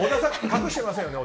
隠してませんよね？